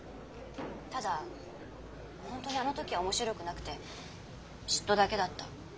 ただ本当にあの時は面白くなくて嫉妬だけだった。